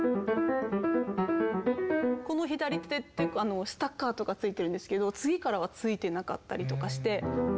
この左手ってスタッカートがついてるんですけど次からはついてなかったりとかして。